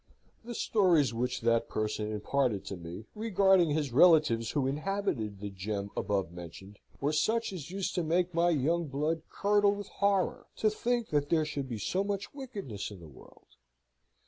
The stories which that person imparted to me regarding his relatives who inhabited the gem above mentioned, were such as used to make my young blood curdle with horror to think there should be so much wickedness in the world.